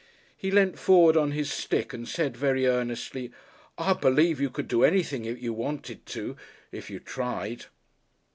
He leant forward on his stick and said, very earnestly, "I believe you could do anything you wanted to, if you tried."